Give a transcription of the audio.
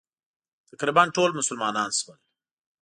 تقریباً ټول مسلمانان شول.